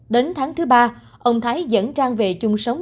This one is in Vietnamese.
đến tháng thứ ba ông thái dẫn trang về chung sống